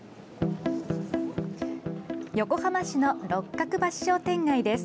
横浜市の六角橋商店街です。